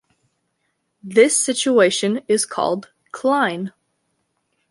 This situation is called cline.